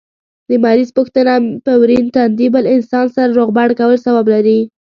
د مریض پوښتنه په ورين تندي بل انسان سره روغبړ کول ثواب لري